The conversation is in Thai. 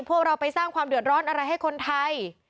พวกเราไปสร้างความเดือดร้อนอะไรให้คนไทย